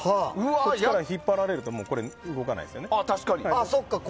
こっちから引っ張られると動かないですよね。